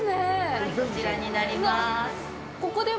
はい、こちらになります。